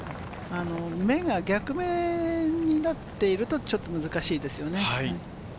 目が逆目になってると、ちょっと難しいですよね。